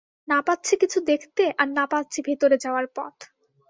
না পাচ্ছি কিছু দেখতে, আর না পাচ্ছি ভেতরে যাওয়ার পথ।